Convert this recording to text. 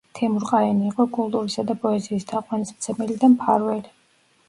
თემურ-ყაენი იყო კულტურისა და პოეზიის თაყვანისმცემელი და მფარველი.